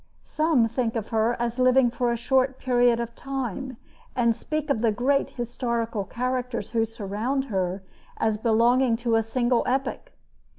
Some think of her as living for a short period of time and speak of the great historical characters who surrounded her as belonging to a single epoch.